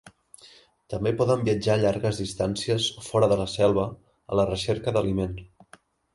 També poden viatjar llargues distàncies fora de la selva a la recerca d'aliment.